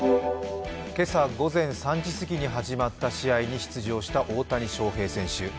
今朝午前３時過ぎに始まった試合に出場した大谷翔平選手。